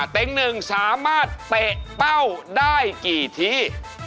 เต็งหนึ่งสามารถเตะเป้าได้กี่ที